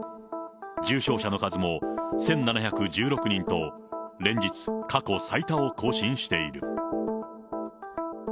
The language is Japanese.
重症者の数も１７１６人と、連日過去最多を更新している。